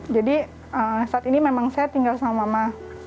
jadi saat ini memang saya tinggal sama mama